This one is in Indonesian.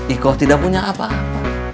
iko tidak punya apa apa